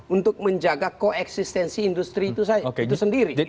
untuk menjaga koeksistensi industri itu sendiri